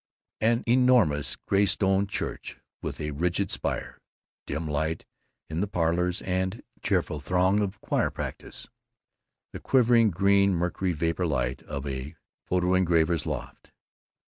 An enormous graystone church with a rigid spire; dim light in the Parlors, and cheerful droning of choir practise. The quivering green mercury vapor light of a photo engraver's loft.